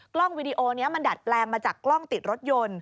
วิดีโอนี้มันดัดแปลงมาจากกล้องติดรถยนต์